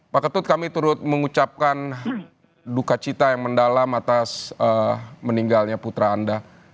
pak ketut kami turut mengucapkan duka cita yang mendalam atas meninggalnya putra anda